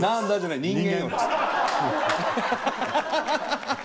ハハハハハ！